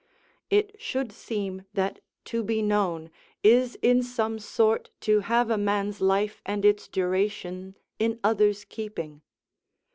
It should seem that to be known, is in some sort to have a man's life and its duration in others' keeping.